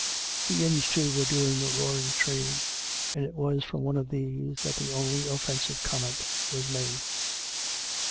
The inns, too, were doing a roar ing trade, and it was from one of these that the only offensive comment was made.